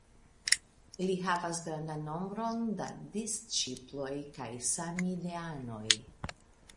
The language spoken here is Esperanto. Li havis grandan nombron da disĉiploj kaj samideanoj.